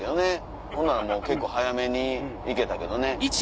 ほんなら結構早めに行けたけどね。